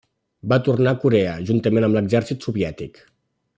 Va tornar a Corea juntament amb l'exèrcit soviètic.